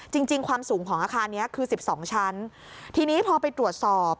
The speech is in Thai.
จริงความสูงของอาคารเนี่ยคือ๑๒ชั้นที่นี่พอไปตรวจสอบ